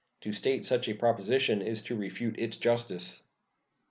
To state such a proposition is to refute its justice.